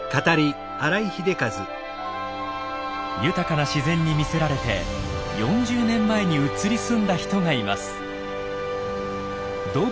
豊かな自然に魅せられて４０年前に移り住んだ人がいます。